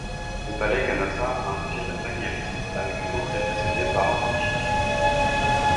Le Palais Canossa a un style maniériste, avec une entrée précédée par un portique.